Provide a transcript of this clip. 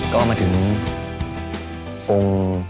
ก็มาถึงองค์